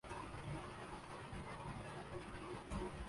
وہ زخمی ہونے سے بچ گئے